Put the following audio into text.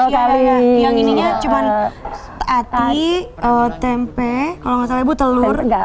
iya yang ininya cuma ati tempe kalau nggak salah ibu telur